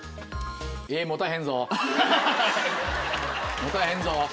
持たへんぞ。